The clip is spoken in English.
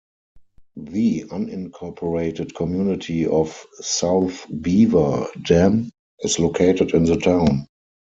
The unincorporated community of South Beaver Dam is located in the town.